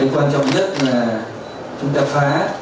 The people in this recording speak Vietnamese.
và cái quan trọng nhất là chúng ta phá